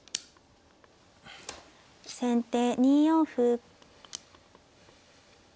先手２四歩。